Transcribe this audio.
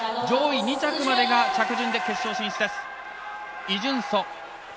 上位２着までが着順で決勝進出です。